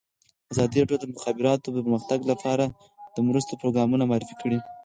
ازادي راډیو د د مخابراتو پرمختګ لپاره د مرستو پروګرامونه معرفي کړي.